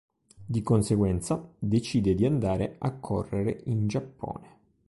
Di conseguenza, decide di andare a correre in Giappone.